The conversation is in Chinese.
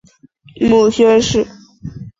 母宣氏。